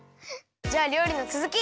じゃありょうりのつづき！